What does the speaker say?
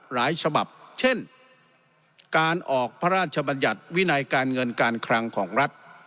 ฉบับเช่นการออกพระราชบัญญัติวินัยการเงินการคลังของรัฐ